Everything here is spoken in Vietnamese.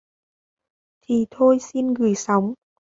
Thì thôi xin gửi sóng